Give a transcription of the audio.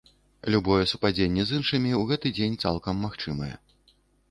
Любое супадзенне з іншымі ў гэты дзень цалкам магчымае.